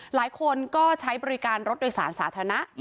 หลายคนก็ใช้บริการรถโดยสารสาธารณะ